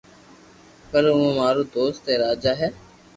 پر اورو مارو دوست اي راجا ھي